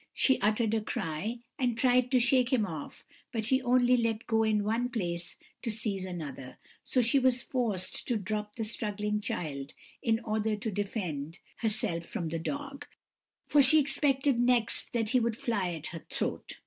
She uttered a cry, and tried to shake him off, but he only let go in one place to seize another, so she was forced to drop the struggling child in order to defend herself from the dog, for she expected next that he would fly at her throat.